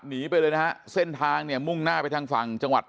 หนีไปเลยนะฮะเส้นทางเนี่ยมุ่งหน้าไปทางฝั่งจังหวัด